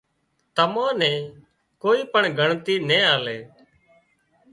تمان نين ڪوئي پڻ ڳڻتي نين آلي